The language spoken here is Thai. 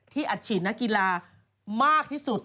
อัดฉีดนักกีฬามากที่สุด